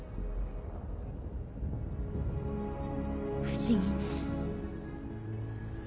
不思議ね